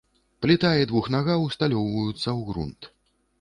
Пліта і двухнага ўсталёўваюцца ў грунт.